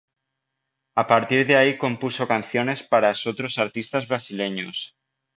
A partir de ahí compuso canciones paras otros artistas brasileños.